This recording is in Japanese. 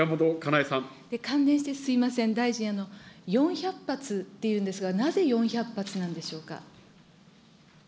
関連してすみません、大臣、４００発っていうんですが、なぜ４００発なんでしょうか。